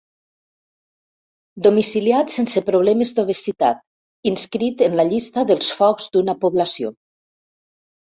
Domiciliat sense problemes d'obesitat, inscrit en la llista dels focs d'una població.